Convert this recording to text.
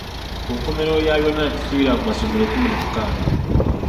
Ku nkomerero ya byonna ne tusibira ku masomero kkumi na mukaaga.